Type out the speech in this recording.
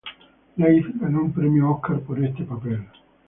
Leigh ganó un premio Oscar por este papel.